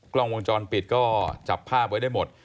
กล้องวงจรปิดก็จับภาพไว้ได้หมด